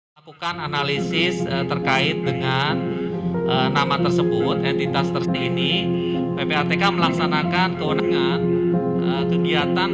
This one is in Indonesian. pembangunan pembangunan pembangunan